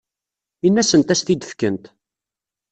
Ini-asent ad as-t-id-fkent.